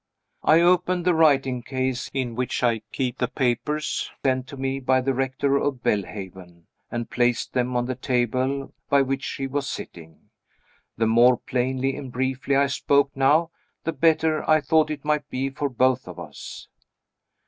I opened the writing case in which I keep the papers sent to me by the Rector of Belhaven, and placed them on the table by which she was sitting. The more plainly and briefly I spoke now, the better I thought it might be for both of us.